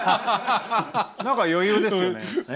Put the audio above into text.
何か余裕ですよね。